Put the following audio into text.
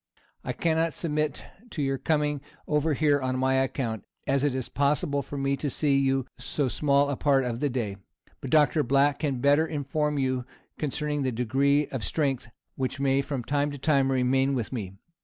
I cannot submit to your coming over here on my account, as it is possible for me to see you so small a part of the day; but Dr. Black can better inform you concerning the degree of strength which may from time to time remain with me.